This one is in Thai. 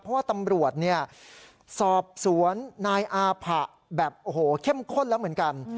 เพราะว่าตำรวจเนี่ยสอบสวนนายอาผะแบบโอ้โหเข้มข้นแล้วเหมือนกัน